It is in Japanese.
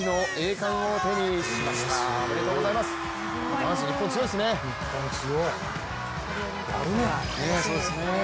ダンス、日本強いですね。